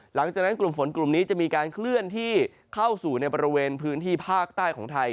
หลังจากนั้นกลุ่มฝนกลุ่มนี้จะมีการเคลื่อนที่เข้าสู่ในบริเวณพื้นที่ภาคใต้ของไทย